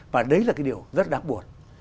và đấy là cái điều rất đáng buồn